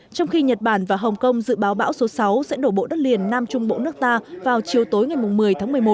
trong khi nhật bản và hồng kông dự báo bão số sáu sẽ đổ bộ đất liền nam trung bộ nước ta vào chiều tối ngày một mươi tháng một mươi một